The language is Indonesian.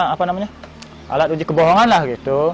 apa namanya alat uji kebohongan lah gitu